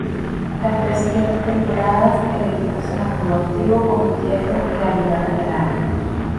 Las tres siguientes temporadas el equipo se mantuvo activo compitiendo en la Liga Catalana.